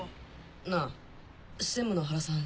なぁ専務の原さん